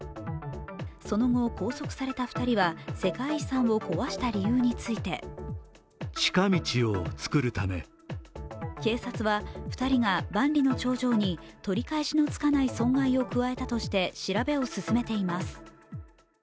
その後、拘束された２人は世界遺産を壊した理由について警察は２人が万里の長城に取り返しのつかない損害を加えたとして調べを進めています。